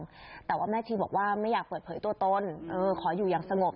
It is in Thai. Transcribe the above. แต่ว่าแม่ชีบอกว่าไม่อยากเปิดเผยตัวตนเออขออยู่อย่างสงบ